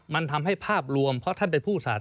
มันทำให้ภาพรวมเพราะท่านเป็นผู้สัตว